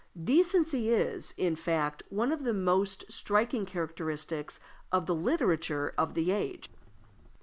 Decency is, in fact, one of the most striking characteristics of the literature of the age.